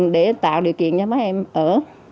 để tạo điều kiện cho mấy em ở